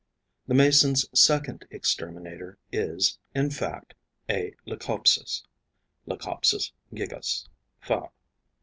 The Mason's second exterminator is, in fact, a Leucopsis (Leucopsis gigas, FAB.)